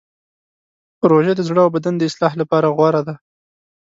روژه د زړه او بدن د اصلاح لپاره غوره ده.